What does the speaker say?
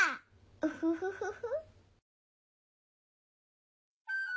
ウフフフフ。